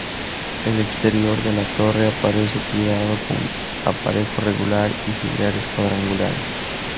El exterior de la torre aparece cuidado, con aparejo regular y sillares cuadrangulares.